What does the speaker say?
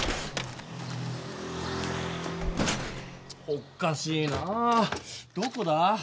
おかしいなどこだ？